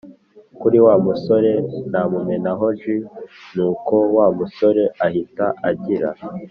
kuri wa musoreanamumenaho jus nuko wa musore ahta agira